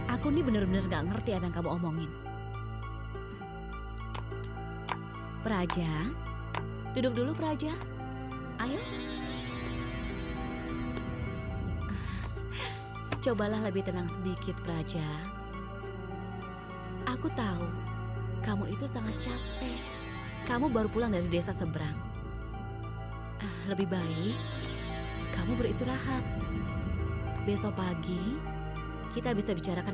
aku gak bisa menghukum kamu karena pengkhianatan